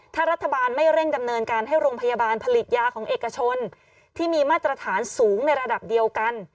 ถ้ารัฐบาลไม่เร่งดำเนินการให้โรงพยาบาลผลิตยาของเอกชนที่มีมาตรฐานสูงในระดับเดียวกัน